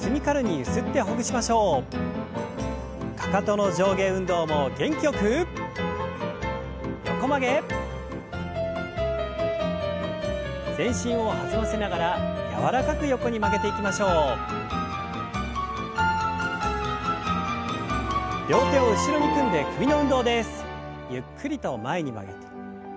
ゆっくりと前に曲げて。